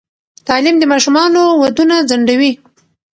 تعلیم د ماشومانو ودونه ځنډوي.